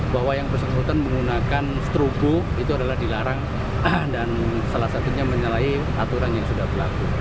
sangkutan menggunakan strobo itu adalah dilarang dan salah satunya menyalahi aturan yang sudah berlaku